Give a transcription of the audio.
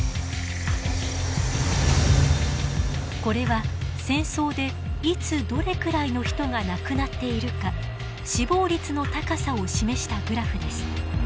これは戦争でいつどれくらいの人が亡くなっているか死亡率の高さを示したグラフです。